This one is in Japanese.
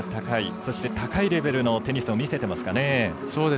そして、高いレベルのテニスを見せてますかね。